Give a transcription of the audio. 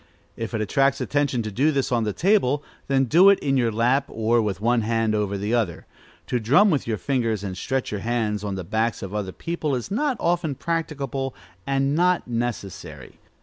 If it attracts attention to do this on the table, then do it in your lap, or with one hand over the other. To drum with your fingers and stretch your hands on the backs of other people is not often practicable, and is not necessary.